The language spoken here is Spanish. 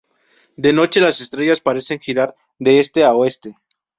De noche, las estrellas parecen girar de este a oeste.